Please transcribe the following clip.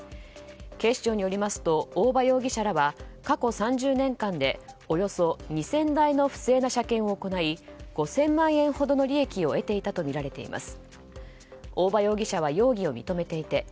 警視庁によりますと大庭容疑者らは過去３０年間でおよそ２０００台の不正な車検を行い５０００万円ほどの利益を得ていたとみられています。